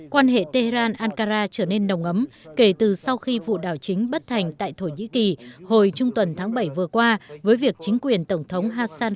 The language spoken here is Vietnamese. quan hệ tehran ankara trở nên nồng ấm kể từ sau khi vụ đảo chính bất thành tại thổ nhĩ kỳ hồi trung tuần tháng bảy vừa qua với việc chính quyền tổng thống hassan